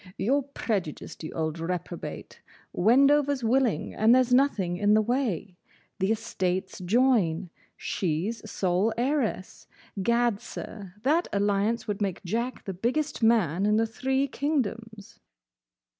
"You 're prejudiced, you old reprobate. Wendover 's willing, and there's nothing in the way. The estates join. She's sole heiress. Gad, sir, that alliance would make Jack the biggest man in the Three Kingdoms."